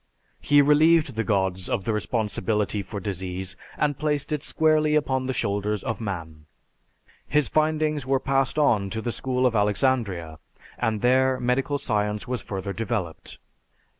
He relieved the gods of the responsibility for disease and placed it squarely upon the shoulders of man. His findings were passed on to the School of Alexandria, and there medical science was further developed.